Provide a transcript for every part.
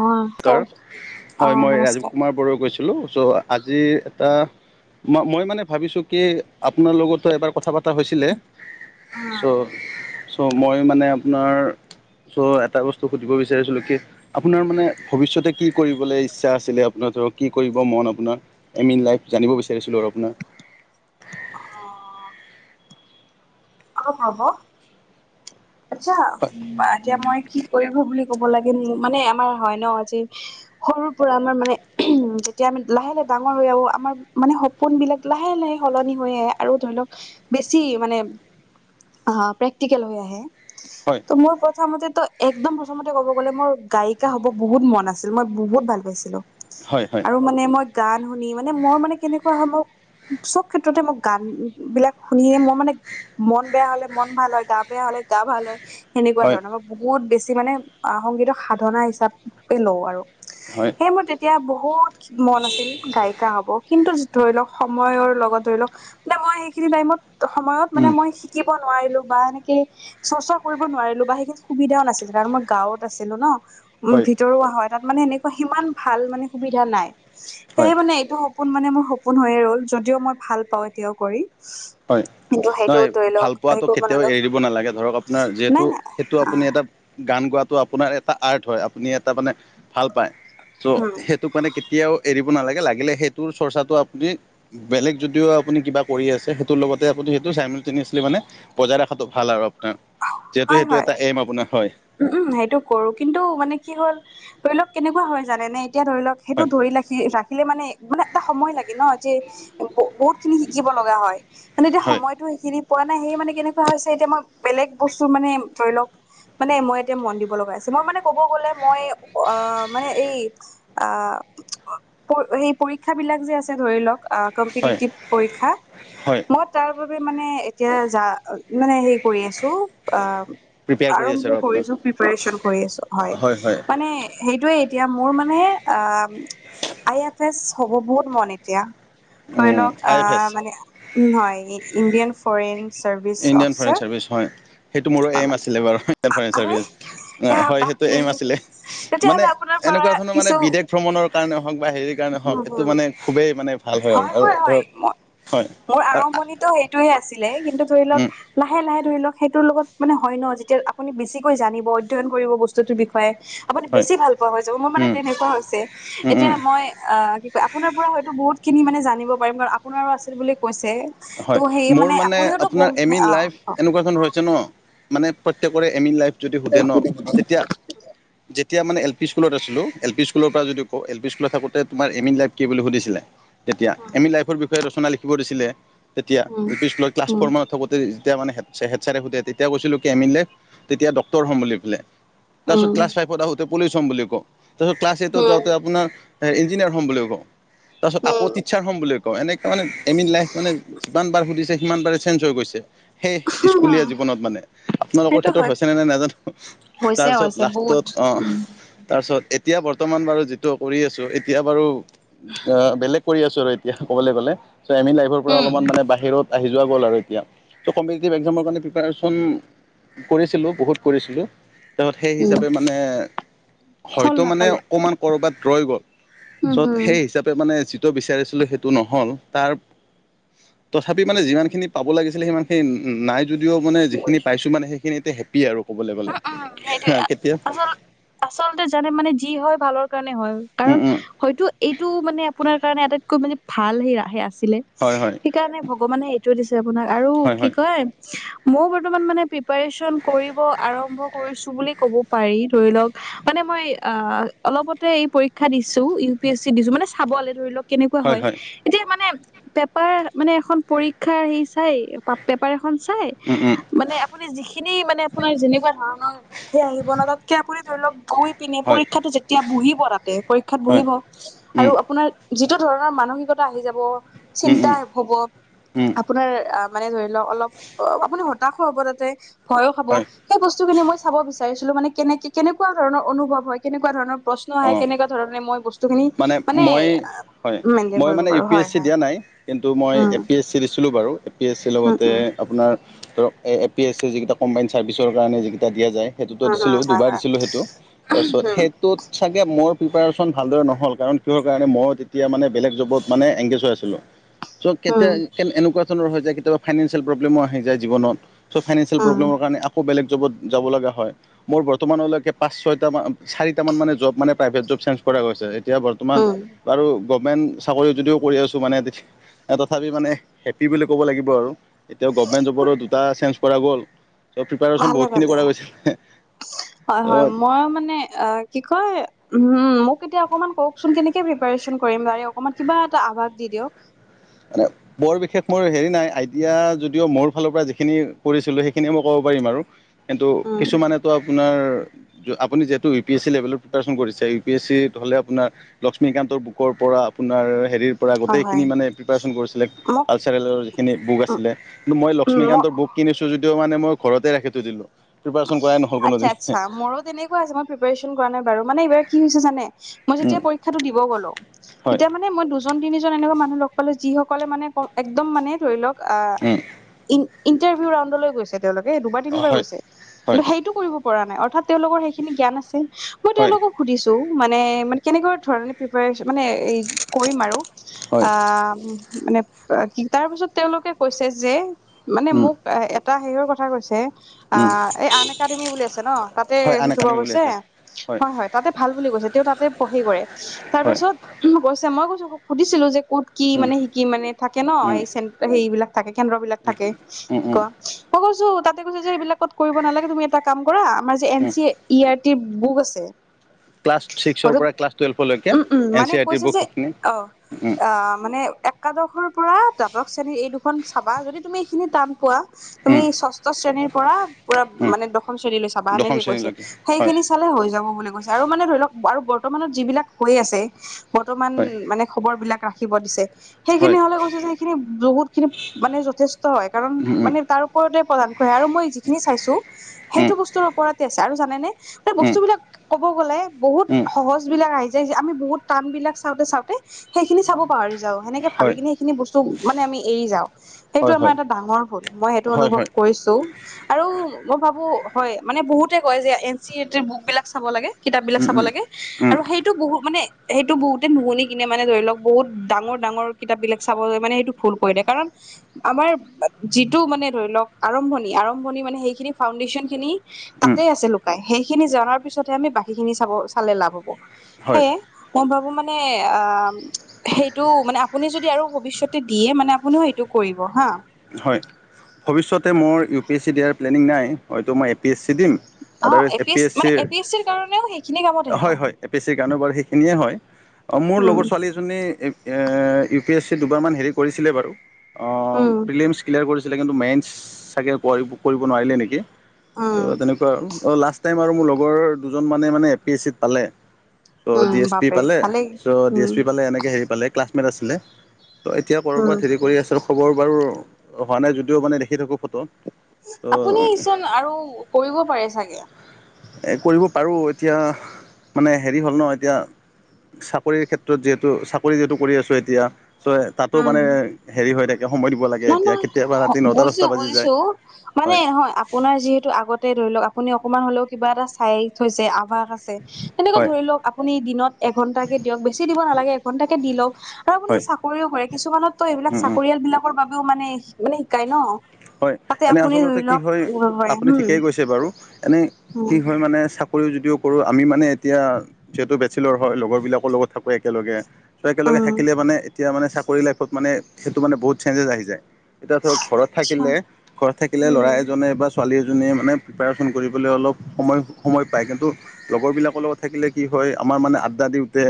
অ কাৰ অ হয় মই ৰাজীৱ নমস্কাৰ। কুমাৰ বৰুৱা কৈছিলোঁ ছ' আজিৰ এটা ম মই মানে ভাবিছোঁ কি আপোনাৰ লগতো এবাৰ কথা পতা হৈছিলে। চ' ত' মই মানে আপোনাৰ চ' এটা বস্তু সুধিব বিচাৰিছিলো কি আপোনাৰ মানে ভৱিষ্যতে কি কৰিবলৈ ইচ্ছা আছিলে আপোনাৰ ধৰক কি কৰিব মন আপোনাৰ আইম ইন লাইফ জানিব বিচাৰিছিলোঁ আৰু আপোনাৰ অ'। অল হাব [unintelligible] আচ্ছা এতিয়া মই কি কৰিব বুলি ক'ব লাগিম মানে আমাৰ হয় ন আজি সৰুৰ পৰা আমাৰ মানে উ যেতিয়া আমি লাহে লাহে ডাঙৰ হৈ আহাবো আমাৰ মানে ফোন বিলাক লাহে লাহে সলনি হৈ আহে আৰু ধৰি লওক বেছি মানে প্ৰেক্টিকেল হৈ আহে হয় ত' মোৰ প্ৰথমতো একদম প্ৰথমতে ক'ব গ'লে মোৰ গায়িকা হ'ব বহুত মন আছিল মই বহুত ভাল পাইছিলোঁ। হয় হয় আৰু মানে মই গান শুনি মানে মোৰ মানে কেনেকুৱা সময়ত চব ক্ষেত্ৰতে মই গান বিলাক শুনিয়ে মই মানে মন বেয়া হলে মন ভাল হয় গা বেয়া হলে গা ভাল হয় সেনেকুৱা হয় ধৰণৰ বহুত বেছি মানে সংগীতক সাধনা হিচাপে লওঁ আৰু হয় সেইয় মই এতিয়া বহুত মন আছিল গায়িকা হ'ব কিন্তু ধৰি লওক সময়ৰ লগত ধৰি লওক মানে মই সেইখিনি টাইমত সময়ত মানে হয় মই শিকিব নোৱাৰিলো বা এনেকে চৰ্চা কৰিব নোৱাৰিলোঁ বা সেইখিনি সুবিধাও নাছিল কাৰণ মই গাঁওত আছিলোঁ ন উ হয় ভিতৰুা হয়। তাত মানে এনেকুৱা সিমান ভাল মানে সুবিধা নাই হয় সেয়ে মানে এইটো সপোন মানে মোৰ সপোন হৈয়ে ৰ'ল যদিও মই ভাল পাওঁ এতিয়াও কৰি হয় কিন্তু সেইটো নহয় ধৰি ভাল লওক হে পোৱাটো কৰিব কেতিয়াও নাজাও এৰি দিব নালাগে ধৰক আপোনাৰ যিহেতু সেইটো আপুনি আহ এটা গান গোৱাটো আপোনাৰ এটা আৰ্ট হয় আপুনি এটা মানে ভাল পায় ত' উম সেইটোক মানে কেতিয়াও এৰিব নালাগে লাগিলে সেইটোৰ চৰ্চাটো আপুনি বেলেগ যদিও আপুনি কিবা কৰি আছে তোৰ লগতে আপুনি সেইটো চাইমেল তিনি আছিলে মানে বজাই ৰখাটো ভাল আৰু আপোনাৰ। যিহেতু হয় সেইটো হয় এটা এম আপোনাৰ হয়। উম, উম সেইটো কৰো কিন্তু মানে কি হ'ল ধৰি লওক কেনেকুৱা হয় জানে নে এতিয়া ধৰি লওক সেইটো হয় ধৰি ৰাখি ৰাখিলে মানে মানে এটা সময় লাগে ন যে বহুত খিনি শিকিব লগা হয় মানে এতিয়া হয় সময়তটো সেইখিনি পোৱা নাই সেই মানে কেনেকুৱা হৈছে এতিয়া মই বেলেগ বস্তু মানে ধৰি লওক মানে মই এতিয়া মন দিব লগা আছে মোৰ মানে কব গ'লে মই অ', মানে এই আহ সেই পৰীক্ষাবলাক যে আছে ধৰি লওক আহ হয় কম্পিটিভ পৰীক্ষা হয় মই তাৰ বাবে মানে এতিয়া যা মানে হেৰি কৰি আছোঁ অ' প্ৰিপেয়াৰ কৰি আছে আৰু। আপুনি কৰিছো প্ৰিপাৰেচন কৰি আছোঁ হয় বাট মানে সেইটোয়ে এতিয়া মোৰ মানে আ আই এফ এছ হ'ব বহুত মন এতিয়া ধৰি লওক আ আই এফ এছ মানে উম হয় Indian foreign service Indian foreign officer service হয় সেইটো মোৰো হয় এইম মানে আছিলে বাৰু। ইণ্ডিয়ান ফ'ৰেন আৰে চাৰ্ভিচ এ হয় সেইটো বাপৰে এইম আছিলে মানে তেতিয়াহ'লে আপোনাৰ পৰা এনেকুৱা ধৰণৰ মানে কিছু বিদেশ ভ্ৰমণৰ কাৰণে হওক বা হেৰিৰ কাৰণে হওক উম এইটো হম মানে খুবেই মানে ভাল আৰু হয়, আৰু হয়, হয় ধৰক হয় মোৰ আৰু আৰম্ভণিতো সেইটোয়ে আছিলে কিন্তু ধৰি লওক উম, লাহে লাহে ধৰি লওক সেইটোৰ লগত মানে হয় ন যেতিয়া আপুনি বেছিকৈ জানিব অধ্যয়ন কৰিব বস্তুটোৰ বিষয়ে আপুনি হয় বেছি ভাল পোৱা হৈ যাব মোৰ মানে উম, তেনেকুৱা হৈছে উম, এতিয়া উম, মই অ', কি কয় আপোনাৰ পৰা হয়তো বহুত খিনি মানে জানিব পাৰিম কাৰণ আপোনাৰো আছিল বুলি কৈছে হয় ত' সেয়ে মোৰ মানে আপুনিওতো আপোনাৰ বহু এম ইন অ লাইফ অ এনেকুৱা ধৰণৰ হৈছে ন মানে প্ৰত্যেকৰে এম ইন লাইফ যদি সোধে ন তেতিয়া যেতিয়া মানে এল পি স্কুলত আছিলোঁ, এল পি স্কুলৰপৰা যদি কওঁ, এল পি স্কুলত থাকোঁতে তোমাৰ এম ইন লাইফ কি বুলি সুধিছিলে তেতিয়া এম ইন লাইফৰ বিষয়ে ৰচনা লিখিব দিছিলে, তেতিয়া উম এল পি স্কুলৰ ক্লাছ উম ফ'ৰ মানত থাকোঁতে যেতিয়া মানে হেডচাৰে সুধে, তেতিয়া কৈছিলোঁ কি তেতিয়া ডক্টৰ হ'ম বুলি পেলাই তাৰপিছত উম ক্লাছ ফাইভত আহোঁতে পলিচ হ'ম বুলি কও, তাৰপিছত ক্লাছ এইটত উম যাওঁতে আপোনাৰ ইঞ্জিনিয়াৰ হ'ম বুলি কওঁ, তাৰপাছত আকৌ উম টিচাৰ হ'ম বুলি কওঁ ক এনেকে মানে এম ইন লাইফ মানে যিমানবাৰ সুধিছে সিমান বাৰে চেঞ্জ হৈ গৈছে। সেই উম হুম স্কুলীয়া জীৱনত মানে, আপোনালোকৰ সেইটো ক্ষেত্ৰত হয় হৈছেনে নাই নাজানো। হৈছে তাৰপিছত হৈছে বহুত লাষ্টত, অ'। তাৰপিছত এতিয়া বৰ্তমান বাৰু যিটো কৰি আছোঁ, এতিয়া বাৰু অ' বেলেগ কৰি আছোঁ এতিয়া ক'বলৈ গ'লে, চ' ইন লাইফৰপৰা উম অলপমান মানে বাহিৰত আহি যোৱা গ'ল আৰু এতিয়া, চ' কমপেটিটিভ এক্সামৰ বাবে প্ৰিপাৰেচন কৰিছিলোঁ বহুত কৰিছিলোঁ। তাৰপিছত সেই উম হিচাপে মানে ফল হয়তো মানে নাপালে অকমান ক'ৰবাত ৰৈ গ'ল। উম ছত সেই হম হিচাপে মানে যিটো বিচাৰিছিলোঁ সেইটো নহ'ল তাৰ তথাপি মানে যিমানখিনি পাব লাগিছিলে সিমানখিনি নাই যদিও মানে যিখিনি পাইছোঁ মানে সেইখিনিতে হেপ্পী আৰু ক'বলৈ গ'লে। উম উম সেইটোৱে কেতিয়া আচল আচলতে জানে মানে যি হয় ভালৰ কাৰণে হয় কাৰণ হয়তো এইটো মানে আপোনাৰ কাৰণে আটাইতকৈ মানে ভাল হেই আছিলে, হয় হয় সেইকাৰণে ভগৱানে এইটো দিছে আপোনাক আৰু হয় হয় কি হয় কয়, মই বৰ্তমান মানে প্ৰিপাৰেচন কৰি আৰম্ভ কৰিছোঁ বুলি ক'ব পাৰি ধৰি লওক, মানে মই আ, অলপতে এই পৰী ক্ষা দিছোঁ, ইউ পি এছ চি দিছোঁ মান চাবলে ধৰি লক কেনেকুৱা হয়, এতিয়া মানে পেপাৰ মানে এখন পৰীক্ষাৰ হেৰি চাই পা-পেপাৰ এখন চাই উম উম মানে আপুনি যিখিনি মানে আপোনাৰ যেনেকুৱা ধৰণৰ সেই আহিব ন' তাতকে আপুনি ধৰি লওক গৈ পিনে হয় পৰীক্ষাটো যেতিয়া বহিব তাতে, পৰীক্ষাত হয় বহিব আৰু উম আপোনাৰ যিটো ধৰণৰ মানসিকতা আহি যাব, উম চিন্তা উম হ'ব উম আপোনাৰ আ, মানে ধৰি লওক অলপ অ' আপুনি হতাশ হ'ব তাতে, ভয়ো খা'ব। হয় সেই বস্তুখিনি মই চাব বিচাৰিছিলোঁ মানে কেনেকে, কেনেকুৱা ধৰণৰ অনুভৱ হয়, কেনেকুৱা ধৰণৰ প্ৰশ্ন আহে, অঁ কেনেকুৱা ধৰণে মই বস্তুখিনি মানে হয়, মেইনটেইন মই কৰিব মানে ইউ পাৰো পি এছ হয় চি হয় দিয়া নাই কিন্তু মই um A P S C দিছিলোঁ বাৰু এ পি এছ চিৰ উম লগতে উম আপোনাৰ ধৰক এ পি এছ চিৰ যিকেইটা কম্বাইন চাৰ্ভিচৰ কাৰণে যিকেইটা দিয়া যায় সেইটোতো উম উম দিছিলোঁ, হয় দুবাৰ হয় দিছিলোঁ সেইটো তাৰপিছত উম সেইটোত চাগে মোৰ প্ৰিপাৰেচন ভালদৰে নহ নহ'ল কাৰণ কিহৰ কাৰণে মই তেতিয়া মানে বেলেগ জবত মানে এংগেজ হৈ আছিলোঁ, চ' কেতিয়া উম কেন এনেকুৱা ধৰণৰ হৈ যায়, কেতিয়াবা ফাইনেঞ্চিয়েল প্ৰব্লেমো আহি যায় জীৱনত। চ' ফাইনেন্সিয়েল উম প্ৰব্লেমৰ কাৰণে আকৌ বেলেগ জবত যাব লগা হয়। মোৰ বৰ্তমানলৈকে পাঁচ ছয়টা মা, চাৰিটামান মানে জব মানে প্ৰাইভেট জব চেঞ্জ কৰা গৈছে। এতিয়া বৰ্তমান উম বাৰু গভমেন্ট চাকৰি যদিও কৰি আছোঁ মানে তথাপি মানে হেপ্পী বুলি ক'ব লাগিব আৰু। এতিয়া গভমেণ্ট জবৰো দুটা চেঞ্জ কৰা গ'ল। ত' প্ৰিপাৰেচন ভালে বহুতখিনি ভালে। কৰা গৈছিলে। ত' হ মানে আ, কি কয় উম, মোক এতিয়া অকমান কওকচোন কেনেকে প্ৰিপাৰেচন কৰিম তাৰে অকমান কিবা এটা আভাস দি দিয়ক। মানে বৰ বিশেষ মোৰ হেৰি নাই, আইডিয়া যদিও মোৰ ফালৰপৰা যিখিনি কৰিছিলোঁ সেইখিনিয়ে মই ক'ব পাৰিম আৰু। কিন্তু উম। কিছুমানেতো আপোনাৰ আপুনি যিহেতু ইউ পি এছ চি লেভেলত প্ৰিপাৰেচন কৰিছে, ইউ পি এছ চি হ'লে আপোনাৰ লক্ষ্মীকান্তৰ বুকৰপৰা আপোনাৰ হেৰিৰ পৰা হয় হয়। গোটেইখিনি মানে প্ৰিপাৰেচন কৰিছিলে, মোক কালচাৰেলৰ যিখিনি বুক উ আছিলে কিন্তু মই উম লক্ষ্মীকান্তৰ বুক কিনিছো যদিও মানে মই ঘৰতে ৰাখি থৈ দিলোঁ, প্ৰিপাৰেচন কৰাই নহ'ল কোনোদিনে। এনেকোৱা হৈছে, মই প্ৰিপাৰেচন কৰা নাই বাৰু মানে এইবাৰ কি হৈছে জানে, মই উম, যেতিয়া পৰীক্ষাটো দিব গ'লো হয় তেতিয়া মানে মই দুজন, তিনিজন এনেকুৱা মানুহ লগ পালো, যিসকলে মানে ক একদম মানে ধৰি লওক আহ উম, ই ইণ্টাৰভিউ ৰাউণ্ডলৈ গৈছে, তেওঁলোকে দুবাৰ, তিনিবাৰ হয় গৈছে। কিন্তু, হয় সেইটো কৰিব পৰা নাই অৰ্থাৎ তেওঁলোকৰ সেইখিনি জ্ঞান আছে। মই হয় তেওঁলোকক সুধিছো, মানে, মানে কেনেকোৱা ধৰনে প্ৰিপাৰেচন মানে কৰিম আৰু। হয় আহ মানে কি, তাৰপিছত তেওঁলোকে কৈছে যে মানে উম, মোক, এটা হেৰি কথা কৈছে। উম, আহ, এই আন একাডেমি বুলি আছে ন, তাতে হয় আন শিকিব একাডেমি কৈছে। উলিয়াইছে হয়, হয় তাতে ভাল বুলি কৈছে, তেওঁ তাতে পঢ়ি কৰে। হয় তাৰপিছত উম, কৈছে মই কৈছোঁ, সুধিছিলো যে ক'ত কি উম, মানে শিকি মানে থাকে ন, উম, এই চেন হেবিলাক থাকে, কেন্দ্ৰ বিলাক থাকে উম, উম, শিকোৱা। মই কৈছোঁ, তাতে কৈছোঁ যে, এইবিলাকত কৰিব নালাগে তুমি এটা কাম কৰা আমাৰ যে এন উম, চি ই আইৰ বুক আছে। ক্লাছ ছিক্সৰ হয়তো পৰা ক্লাছ টুৱেলভলৈকে উম উম এন মানে চি আৰ টিৰ কৈছে বুক যে সেইখিনি। উম, অ', মানে এক একাদশৰ পৰা দ্বাদশ শ্ৰেণীৰ এই দুখন চাবা। যদি তুমি এইখিনি টান পোৱা তুমি উম, ষষ্ঠ শ্ৰেণীৰ পৰা পুৰা উম, মানে দশম শ্ৰেণী লৈ চাবা দশম সেনেকে কৈছে। শ্ৰেণীলৈকে হয়, সেইখিনি চালে হৈ যাব বুলি কৈছে। আৰু মানে ধৰি লওক আৰু বৰ্তমানত যিবিলাক হৈ আছে বৰ্তমান হয়, মানে খবৰ বিলাক ৰাখিব দিছে। সেইখিনি হয়, হ'লে কৈছে যে, সেইখিনি বহুত খিনি মানে যথেষ্ট হয়, কাৰণ উম, উম, মানে তাৰ ওপৰতে প্ৰদান কৰে। আৰু মই যিখিনি চাইছো উম, উম, সেইটো বস্তুৰ ওপৰতে আছে। আৰু জানেনে উম, বস্তুবিলাক ক'ব গ'লে বহুত সহজ বিলাক আহি যায় যে, আমি বহুত টান বিলাক চাওঁতে, চাওঁতে সেইখিনি চাব পাহৰি যাও। সেনেকে ভাবি হয়, কিনে সেইখিনি বস্তু মানে আমি এৰি যাওঁ। সেইটো হয়, আমাৰ হয়, এটা ডাঙৰ ভুল, মই এইটো হয়, অনুভৱ হয়, কৰিছোঁ। মই ভাবো, হয় মানে বহুতে কয় যে, N C R T book বিলাক চাব লাগে। কিতাপ বিলাক উম, চাব উম, লাগে, উম, আৰু সেই সেইটো বহু মানে, সেইটো বহুতে নুশুনি কিনে মানে ধৰি লওক, বহুত ডাঙৰ, ডাঙৰ কিতাপ বিলাক চাব যায়। মানে সেইটো ভুল কৰি দিয়ে। কাৰণ আমাৰ যিটো মানে ধৰি লওক আৰম্ভণি আৰম্ভ ভণি মানে, সেইখিন ফাউণ্ডেশ্যন খিনি উম, তাতে আছে লুকাই, সেইখিনি জনাৰ পিছতহে আমি বাকীখিনি চাব চালে লাভ হ'ব। হয়, সেয়ে মই ভাবো মানে, অ'। সেইটো মানে আপুনি যদি আৰু ভৱিষ্যতে দিয়ে মানে আপুনিও সেইটো কৰিব হা। হয়। ভৱিষ্যতে মোৰ ইউ পি এছ চি দিয়াৰ প্লেনিং নাই, হয়তো মই এ পি এছ চি দিম। অ আদাৰৱাইচ এ পি এছ মানে চিৰ এ পি এছ কাৰণেও সেইখিনি কামত আহিব হয়, হয় এ পি এছ ছিৰ কাৰণে বাৰু সেইখিনিয়ে হয়। অ', মোৰ উম লগৰ ছোৱালী এজনী এপ এ ইউ পি এছ চি দুবাৰ মান হেৰি কৰিছিলে বাৰু অ', উম প্ৰিলিমছ ক্লিয়াৰ কৰিছে। চিলে কিন্তু মেইনচ ছাগে কৰিব নোৱাৰিলে নেকি, উম ত' তেনেকুৱা আৰু অ', লাষ্ট টাইম মোৰ লগৰ দুজন মানে, মানে এ পি এছ চিত পালে। ত' উম ডি এছ পি বাপৰে পালে, ভালেই চ' ডি উম এছ পি পালে, এনেকে হেৰি পালে ক্লাছমেট আছিলে। ত' এতিয়া উম ক'ৰবাত হেৰি কৰি আছে, খবৰ বাৰু হোৱা নাই যদিও, মানে দেখি থাকো ফটো। ত' আপুনিচোন আৰু কৰিব পাৰে চাগে। কৰিব পাৰোঁ, এতিয়া মানে হেৰি হ'ল ন এতিয়া। চাকৰিৰ ক্ষেত্ৰত, যিহেতু চাকৰি যিহেতু কৰি আছোঁ এতিয়া চ'। তাতো মানে, উম হেৰি হৈ থাকে সময় দিব লাগে এতিয়া। কেতিয়াবা ৰাতি হওঁক নটা দহটা বুজিছো, বাজি যায় বুজিছো মানে হয়, আপোনাৰ যিহেতু আগতে ধৰি লওক, আপুনি অকনমান হলেও কিবা এটা চাইয়ে থৈছে, আপাৰ তেনেকে হয় ধৰি লওক, আপুনি দিনত এঘন্টা কে দিয়ক, বেছি দিব নালাগে এঘন্টাকে দি লওক। আৰু আপুনি হয় চাকৰিও কৰে, কিছুমানত তো এইবিলাক উম উম চাকৰিয়াল বিলাকৰ বাবেও মানে মানে শিকাই ন। হয়। তাতে এনেই আপুনি আচলতে ধৰি কি লওক হয় পাৰে আপুনি উম ঠিকেই গৈছে বাৰু এনে উম কি হয় মানে যদিও কৰো আমি মানে এতিয়া যিহেতু বেচিলৰ হয় লগৰ বিলাকৰ লগত থাকো একেলগে ত' একেলগে উম থাকিলে মানে এতিয়া মানে চাকৰি লাইফত মানে সেইটো মানে বহুত চেঞ্জেছ আহি যায়। এতিয়া ধৰক ঘৰত আচ্ছা থাকিলে ঘৰত থাকিলে ল'ৰা উম এজনে বা ছোৱালী এজনীয়ে মানে প্ৰিপেয়াৰেশ্যন কৰিবলৈ অলপ সময় সময় পায়। কিন্তু লগৰ বিলাকৰ লগত থাকিলে কি হয় আমাৰ মানে আড্ডা দিওতে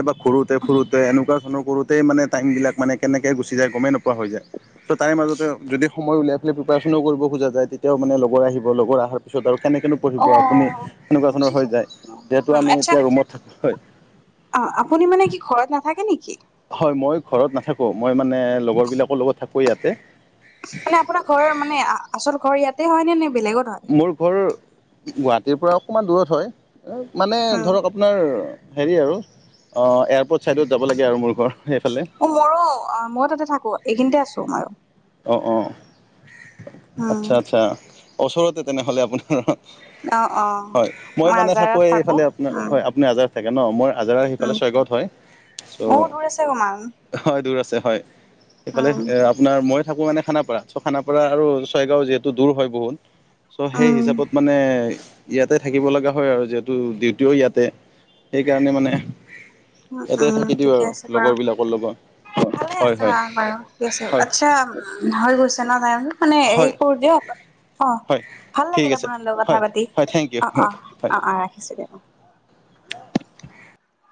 এবাৰ ঘুৰো তে ফুৰোতে এনেকুৱা ধৰণৰ কৰোতে মানে টাইমবিলাক মানে কেনেকৈ গুচি যায় গ'মেই নোপোৱা হৈ যায়। ছ' তাৰে মাজতে যদি সময় উলিয়াই প্ৰিপেয়াৰেশ্যনো কৰিব খোজা যায় তেতিয়াও মানে লগৰ আহিব, লগৰ অহাৰ পিছত আৰু কেনেকেনো পঢ়িব অ আপুনি, এনেকুৱা ধৰণৰ বুজিছো হৈ যায়, বুজিছো যিহেতু উম আমি আচ্ছা এতিয়া ৰুমত থাকোঁ হয়। অ' আপুনি মানে কি ঘৰত নাথাকে নেকি? হয় মই ঘৰত নাথাকো মই মানে লগৰবিলাকৰ লগত থাকো ইয়াতে। মানে আপোনাৰ ঘৰৰ মানে আচল ঘৰ ইয়াতে হয় নে নে বেলেগত হয়? মোৰ ঘৰ গুৱাহাটীৰ পৰা অকণমান দূৰত হয়। মানে উম, ধৰক আপোনাৰ হেৰি আৰু এয়াৰপৰ্ট ছাইডত যাব লাগে আৰু, মোৰ ঘৰ সেইফালে। অ' মইয়ো, মই তাতে থাকো। এইখিনিতে আছো তোমাৰ অ', অ' উম, আচ্ছা, আচ্ছা ওচৰতে তেনেহ'লে আপুনি? অ অ হয়। মই মানে থাকোঁ আজাৰত থাকো এইফালে আপোনাৰ, উম হয়। আপুনি আজাৰ থাকে ন? মই আজৰা সিফালে উম ছয়গৱত হয়। অ চ' দূৰ আছে অকমান হয় দূৰ আছে হয়। সেইফালে উম এ আপোনাৰ মই থাকো মানে খানাপাৰাত, খানাপাৰা আৰু ছয়গাঁও যিহেতু দূৰ হয় বহুত চ' সেই উম হিচাপত মানে ইয়াতে থাকিব লগা হয় আৰু, যিহেতু ডিউটিও ইয়াতে সেইকাৰণে মানে উম এটাই উম থাকি দিওঁ ঠিকে আৰু আছে বাৰু লগৰ বিলাকৰ লগত। ভালে হয় আছে ব হয় বাৰু আ হয়। আচ্ছা হৈ গৈছে ন তাই। মানে হেৰি হয় কৰো দিয়ক অ' হয় ভাল ঠিক লাগিল আছে আপোনাৰ লগত হয় কথা পাতি। হয় থেংক ইউ অ' অ'। হয়। অ', অ' ৰাখিছো দিয়ক। অ'